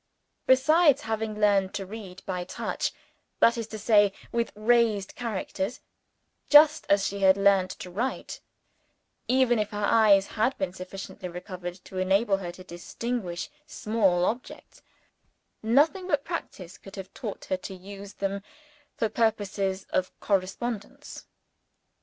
Besides, having learnt to read by touch (that is to say with raised characters), just as she had learnt to write even if her eyes had been sufficiently recovered to enable her to distinguish small objects, nothing but practice could have taught her to use them for purposes of correspondence.